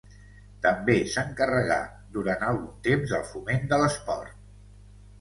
També s'encarregà durant algun temps del foment de l'esport.